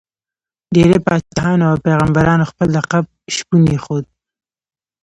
ډېری پاچاهانو او پيغمبرانو خپل لقب شپون ایښود.